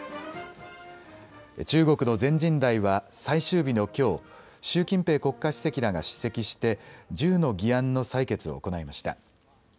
中国の全人代は最終日のきょう習近平国家主席らが出席して１０の議案の採決を行いました。